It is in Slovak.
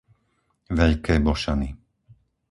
Veľké Bošany